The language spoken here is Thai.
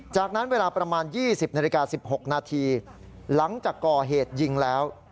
จากนั้นเวลาประมาณ๒๐นาฬิกา๑๖นาทีหลังจากก่อเหตุยิงแล้ว